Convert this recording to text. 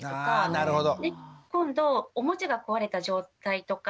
あなるほど。